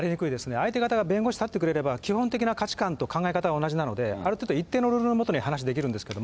相手方が弁護士立ってくれれば、基本的な価値観と考え方は同じなので、ある程度、一定のルールの下に話できるんですけれども。